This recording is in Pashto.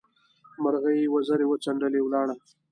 مرغۍ وزرې وڅنډلې؛ ولاړه.